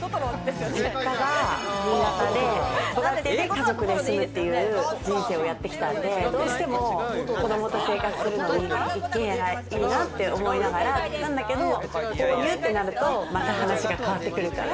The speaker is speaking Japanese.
実家が新潟で家族で住むという人生をやってきたんで、どうしても子どもと生活するのに１軒家がいいなって思いながら、なんだけれども購入ってなると、また話が変わってくるから。